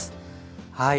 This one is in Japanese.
はい。